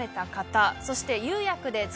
そして。